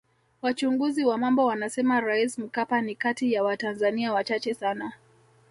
Wachunguzi wa mambo wanasema Rais Mkapa ni kati ya watanzania wachache sana